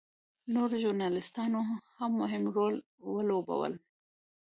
نورو ژورنالېستانو هم مهم رول ولوباوه.